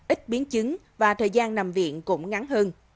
ít biến chứng và thời gian nằm viện cũng ngắn hơn